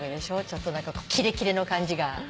ちょっと何かキレキレの感じが。